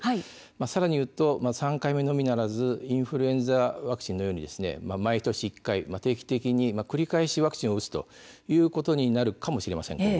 さらに言うと３回目のみならずインフルエンザワクチンのように毎年１回定期的に繰り返しワクチンを打つことになるかもしれません。